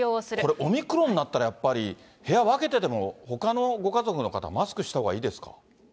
これ、オミクロンになったら、やっぱり、部屋分けてても、ほかのご家族の方、マスクしたほうがいいですか。